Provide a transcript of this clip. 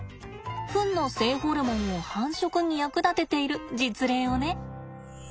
フンの性ホルモンを繁殖に役立てている実例をね。